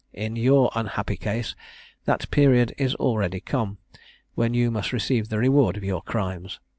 In your unhappy case, that period is already come, when you must receive the reward of your crimes.